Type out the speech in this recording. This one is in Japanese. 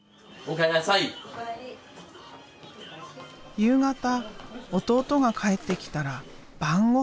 夕方弟が帰ってきたら晩ごはん。